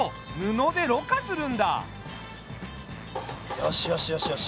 よしよしよしよし。